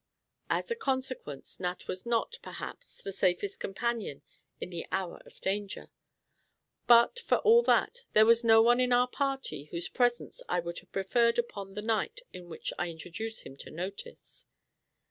As a consequence, Nat was not, perhaps, the safest companion in the hour of danger; but, for all that, there was no one in our party whose presence I would have preferred upon the night in which I introduce him to notice.